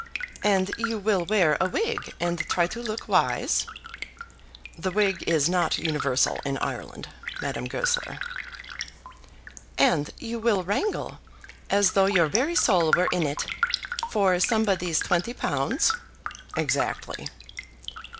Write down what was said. "And you will wear a wig and try to look wise?" "The wig is not universal in Ireland, Madame Goesler." "And you will wrangle, as though your very soul were in it, for somebody's twenty pounds?" "Exactly."